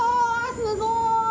すごい！